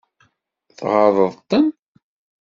Tɣaḍeḍ-ten?